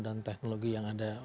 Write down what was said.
dan teknologi yang ada